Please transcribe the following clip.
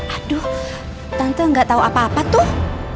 aduh tante gak tau apa apa tuh